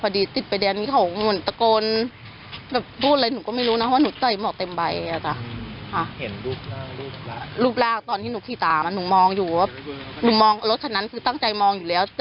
เราก็ถามก็ว่ามันโว๊ยวายอย่างไรเพราะว่าตอนนี้สงสัยว่าโว๊ยวายอะไรหนูยังจำไม่ได้นะคะ